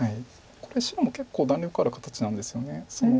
これ白も結構弾力ある形なんですよね。